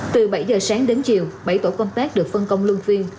từ bảy giờ sáng đến chiều bảy tổ công tác được phân công luôn phiên